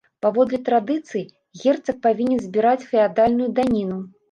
Паводле традыцыі, герцаг павінен збіраць феадальную даніну.